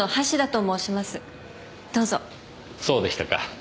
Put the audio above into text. そうでしたか。